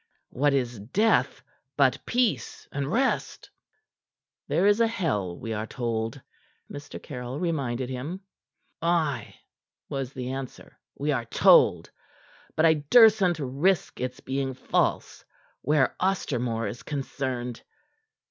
What is death but peace and rest?" "There is a hell, we are told," Mr. Caryll reminded him. "Ay," was the answer, "we are told. But I dursn't risk its being false where Ostermore is concerned.